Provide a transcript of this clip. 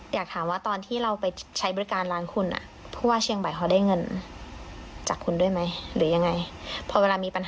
อยากถามว่าตอนที่เราไปใช้บริการร้านคุณผู้ว่าเชียงใหม่เขาได้เงินจากคุณด้วยไหม